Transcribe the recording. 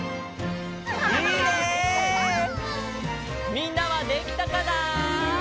みんなはできたかな？